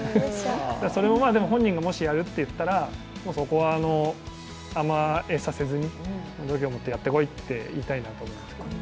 それを本人がやるって言ったらそこは甘えさせずに、度胸を持ってやってこいと言ってやりたいですね。